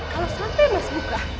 kalau sampai mas buka